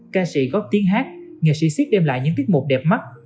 ca sĩ góp tiếng hát nghệ sĩ siếc đem lại những tiết mục đẹp mắt